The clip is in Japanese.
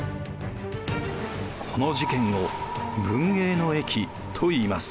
この事件を文永の役といいます。